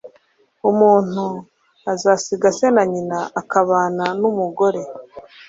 umuntu azasiga se na nyina akabana n'umugore